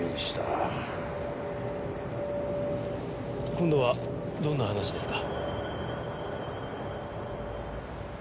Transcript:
今度はどんな話ですか？